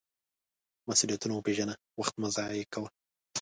مسؤلیتونه وپیژنه، وخت مه ضایغه کوه.